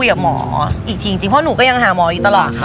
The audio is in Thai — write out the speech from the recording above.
จริงจริงเพราะหนูก็ยังหาหมออยู่ตลอด